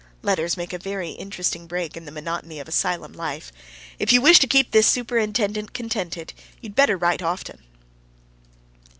Letters make a very interesting break in the monotony of asylum life. If you wish to keep this superintendent contented, you'd better write often.